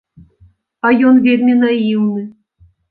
А ён вельмі наіўны.